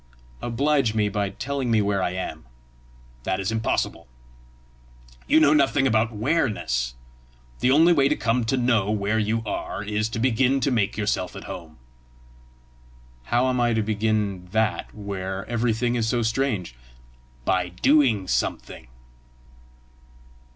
"Oblige me by telling me where I am." "That is impossible. You know nothing about whereness. The only way to come to know where you are is to begin to make yourself at home." "How am I to begin that where everything is so strange?" "By doing something."